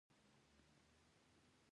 دوی غوښتل له وړیو څخه زیاته ګټه پورته کړي